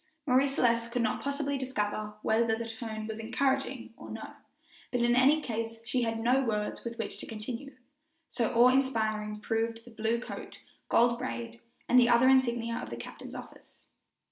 Marie Celeste could not possibly discover whether the tone was encouraging or no, but in any case she had no words with which to continue, so awe inspiring proved the blue coat, gold braid, and the other insignia of the captain's office.